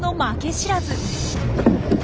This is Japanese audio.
知らず。